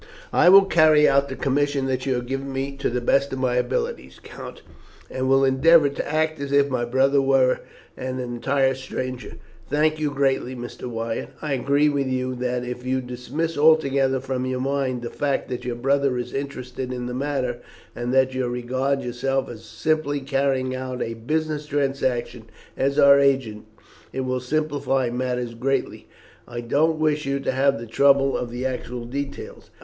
"I will carry out the commission that you have given me to the best of my abilities, Count; and will endeavour to act as if my brother was an entire stranger." "Thank you greatly, Mr. Wyatt. I agree with you that if you dismiss altogether from your mind the fact that your brother is interested in the matter, and that you regard yourself as simply carrying out a business transaction as our agent, it will simplify matters greatly. I don't wish you to have the trouble of the actual details.